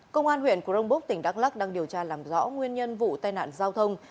công an huyện crongbuk tỉnh đắk lắc đang điều tra làm rõ nguyên nhân vụ tai nạn giao thông